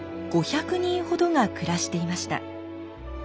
５００人ほどが暮らしていました。